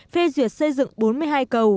phê duyệt xây dựng bốn mươi hai cầu